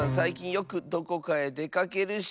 よくどこかへでかけるし。